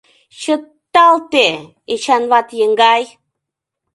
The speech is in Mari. Чыт-тал-те, Эчанват еҥгай!